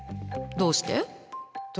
どうして？